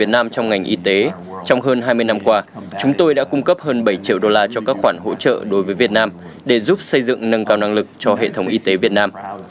trong ngành y tế trong hơn hai mươi năm qua chúng tôi đã cung cấp hơn bảy triệu đô la cho các khoản hỗ trợ đối với việt nam để giúp xây dựng nâng cao năng lực cho hệ thống y tế việt nam